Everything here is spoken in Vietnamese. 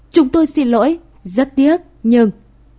chúng tôi xin lỗi rất tiếc nhưng